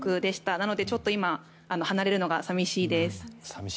なので、ちょっと今離れるのが寂しいです。